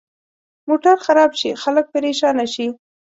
موټر خراب شي، خلک پرېشانه شي.